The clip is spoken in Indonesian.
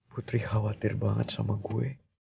putri khawatir banget sama gue